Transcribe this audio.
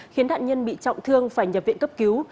khiến nạn nhân bị trọng thương phải nhập viện cấp cứu